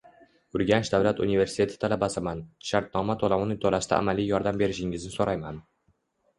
Urganch davlat universiteti talabasiman, shartnoma to‘lovini to‘lashda amaliy yordam berishingizni so‘rayman.